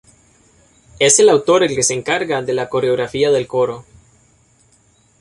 Es el autor el que se encarga de la coreografía del coro.